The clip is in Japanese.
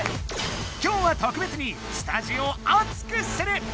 今日は特別にスタジオを熱くする！